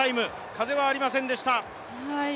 風はありませんでした。